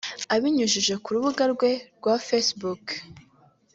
Abinyujije ku rubuga rwe rwa Facebook